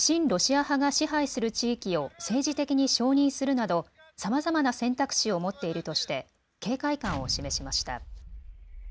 ロシア派が支配する地域を政治的に承認するなどさまざまな選択肢を持っているとして警戒感を示しました。